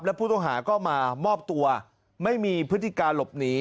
และผู้ต้องหาก็มามอบตัวไม่มีพฤติการหลบหนี